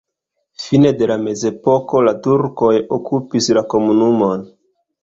Fine de la mezepoko la turkoj okupis la komunumon.